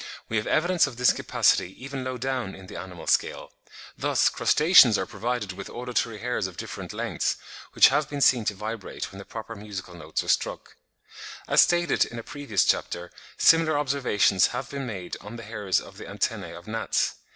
We have evidence of this capacity even low down in the animal scale: thus Crustaceans are provided with auditory hairs of different lengths, which have been seen to vibrate when the proper musical notes are struck. (32. Helmholtz, 'Theorie Phys. de la Musique,' 1868, p. 187.) As stated in a previous chapter, similar observations have been made on the hairs of the antennae of gnats.